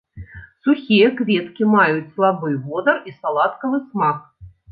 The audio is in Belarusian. Сухія кветкі маюць слабы водар і саладкавы смак.